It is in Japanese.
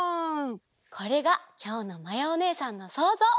これがきょうのまやおねえさんのそうぞう！